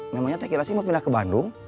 memangnya teh kirasi mau pindah ke bandung